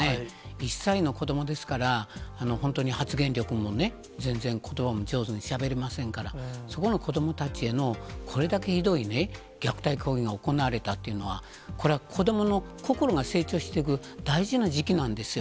１歳の子どもですから、本当に発言力も、全然ことばも上手にしゃべれませんから、そこの子どもたちへの、これだけひどい虐待行為が行われたっていうのは、これは子どもの心が成長していく大事な時期なんですよ。